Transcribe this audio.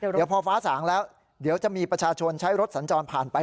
เดี๋ยวพอฟ้าสางแล้วเดี๋ยวจะมีประชาชนใช้รถสัญจรผ่านไป